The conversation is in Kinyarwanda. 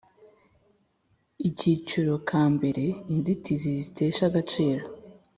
Akiciro kambere Inzitizi zitesha agaciro